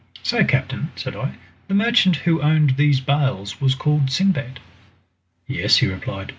"So, captain," said I, "the merchant who owned those bales was called Sindbad?" "Yes," he replied.